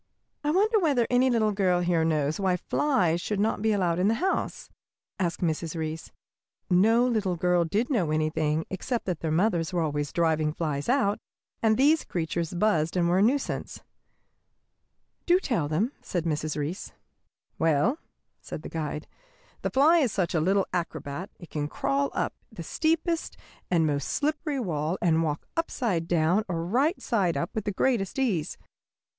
"I wonder whether any little girl here knows why flies should not be allowed in the house?" asked Mrs. Reece. No little girl did know anything except that their mothers were always driving flies out, and that these creatures buzzed and were a nuisance. "Do tell them," said Mrs. Reece. [Illustration: A. House fly. B. A grown up mosquito, two larvæ, and a pupa.] "Well," said the guide, "the fly is such a little acrobat it can crawl up the steepest and most slippery wall and walk upside down or right side up with the greatest ease.